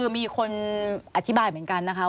สวัสดีค่ะที่จอมฝันครับ